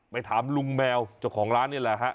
ถามลุงแมวเจ้าของร้านนี่แหละฮะ